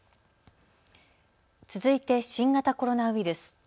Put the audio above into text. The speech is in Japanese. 続いて新型コロナウイルス。